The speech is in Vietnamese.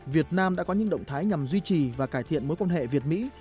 việt nam đã có những động thái nhằm duy trì và cải thiện mối quan hệ việt mỹ